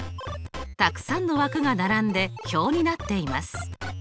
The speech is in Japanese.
たくさんの枠が並んで表になっています。